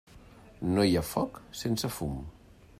No hi ha foc sense fum.